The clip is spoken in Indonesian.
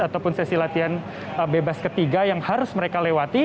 ataupun sesi latihan bebas ketiga yang harus mereka lewati